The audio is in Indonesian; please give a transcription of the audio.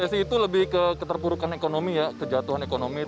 resesi itu lebih ke keterburukan ekonomi ya kejatuhan ekonomi